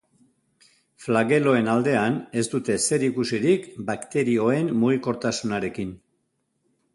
Flageloen aldean, ez dute zer ikusirik bakterioen mugikortasunarekin.